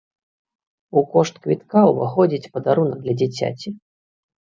У кошт квітка уваходзіць падарунак для дзіцяці.